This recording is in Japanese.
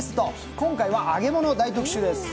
今回は揚げ物大特集です。